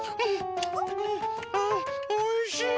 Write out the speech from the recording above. おいしい！